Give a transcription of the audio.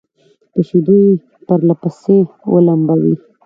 په شيدو يې پرله پسې ولمبوي